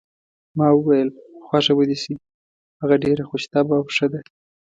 ما وویل: خوښه به دې شي، هغه ډېره خوش طبع او ښه ده.